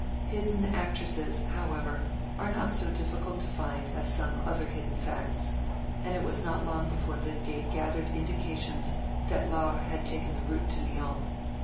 Hidden actresses, however, are not so difficult to find as some other hidden facts, and it was not long before Lydgate gathered indications that Laure had taken the route to Lyons.